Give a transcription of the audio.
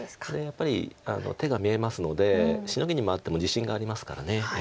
やっぱり手が見えますのでシノギに回っても自信がありますから。